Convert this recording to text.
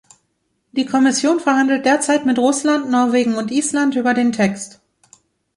Die Kommission verhandelt derzeit mit Russland, Norwegen und Island über den Text.